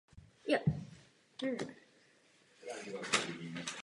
Obec náležela prakticky stále k panství Jezeří.